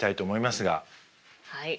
はい。